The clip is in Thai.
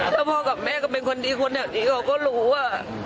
ถ้าพ่อกับแม่ก็เป็นคนดีคนแถวนี้เขาก็รู้ว่า